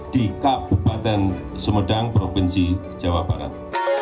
di kabupaten sumedang provinsi jawa barat